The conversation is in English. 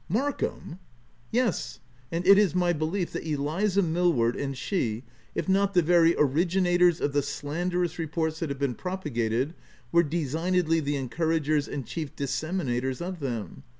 "' "Markham! !" u Yes — and it is my belief that Eliza Mill ward and she, if not the very originators of the slanderous reports that have been propa gated, were designedly the encouragers and chief disseminators of them.